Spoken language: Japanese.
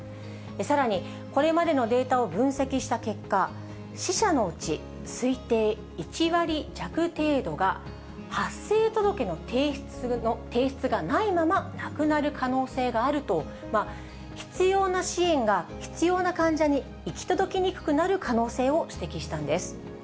さらに、これまでのデータを分析した結果、死者のうち推定１割弱程度が、発生届の提出がないまま亡くなる可能性があると、必要な支援が、必要な患者に行き届きにくくなる可能性を指摘したんです。